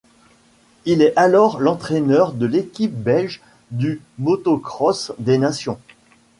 Il est alors l'entraîneur de l'équipe belge du Motocross des nations.